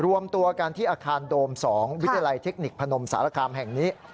รวมตัวกันที่อาคารโดม๒วิทยาลัยเทคนิคพนมสารคามแห่งนี้